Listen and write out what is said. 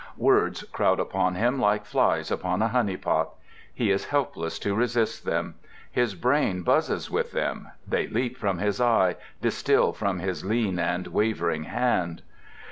Words crowd upon him like flies upon a honey pot: he is helpless to resist them. His brain buzzes with them: they leap from his eye, distil from his lean and waving hand.